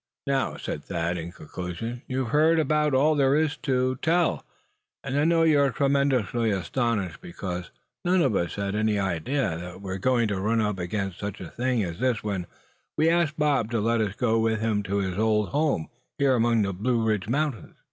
"Now," said Thad, in conclusion; "you've heard about all there is to tell; and I know you're tremendously astonished, because none of us had any idea that we were going to run up against such a thing as this when we asked Bob to let us go with him to his old home here among the Blue Ridge Mountains.